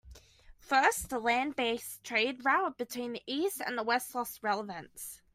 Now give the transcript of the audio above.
First, the land based trade route between east and west lost relevance.